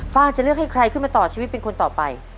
้างจะเลือกให้ใครขึ้นมาต่อชีวิตเป็นคนต่อไป